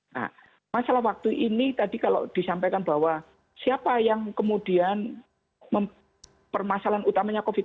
nah masalah waktu ini tadi kalau disampaikan bahwa siapa yang kemudian permasalahan utamanya covid sembilan belas